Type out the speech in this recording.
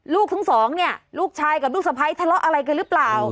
ลูกทั้งสองเนี่ยลูกชายกับลูกสะพ้ายทะเลาะอะไรกันหรือเปล่า